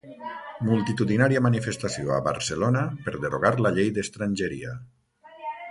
Multitudinària manifestació a Barcelona per derogar la llei d'estrangeria